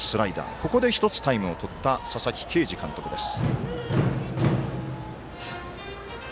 ここで１つ、タイムをとった佐々木啓司監督です。